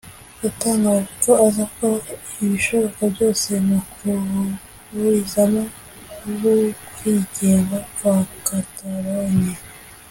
yatangaje ko azakora ibishoboka byose mu kuburizamo ukwigenga kwa Catalogne